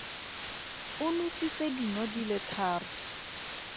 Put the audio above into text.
O nositse dino di le tharo.